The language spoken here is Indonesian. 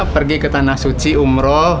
pergi ke tanah suci umroh